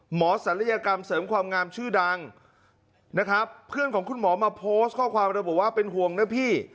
ศัลยกรรมเสริมความงามชื่อดังนะครับเพื่อนของคุณหมอมาโพสต์ข้อความระบุว่าเป็นห่วงนะพี่